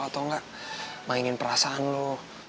atau enggak mainin perasaan loh